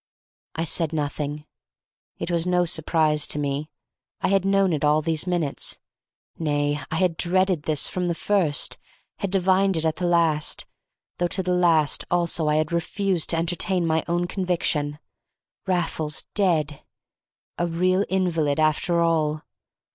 I said nothing. It was no surprise to me. I had known it all these minutes. Nay, I had dreaded this from the first, had divined it at the last, though to the last also I had refused to entertain my own conviction. Raffles dead! A real invalid after all!